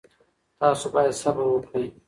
تاسو باید صبر وکړئ.